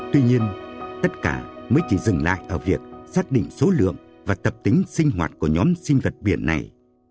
tuy nhiên tất cả mới chỉ dừng lại ở việc xác định số lượng và tập tính sinh hoạt của nhóm sinh vật biển này